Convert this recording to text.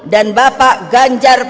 dan bapak ganjar pranowo